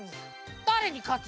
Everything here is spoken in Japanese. だれにかつの？